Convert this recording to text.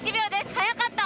早かった！